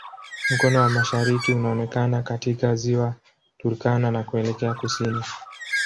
Mkono wa mashariki unaonekana katika Ziwa Turkana na kuelekea kusini.